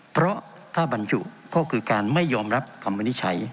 เพราะถ้าบรรจุก็คือการไม่ยอมรับคำวินิจฉัย